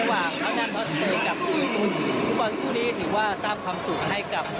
ทุกบอลคู่นี้ถือว่าสร้างความสุขให้กับ